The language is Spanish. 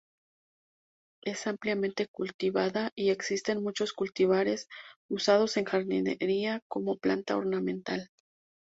Es ampliamente cultivada y existen muchos cultivares usados en jardinería como planta ornamental.